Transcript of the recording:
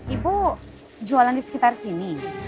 ibu jualan di sekitar sini